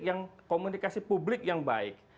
yang komunikasi publik yang baik